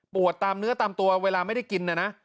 ตามเนื้อตามตัวเวลาไม่ได้กินนะนะ